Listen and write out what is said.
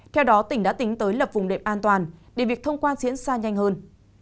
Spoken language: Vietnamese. theo đó tỉnh đã tính tới lập vùng đệm an toàn để việc thông quan diễn ra nhanh hơn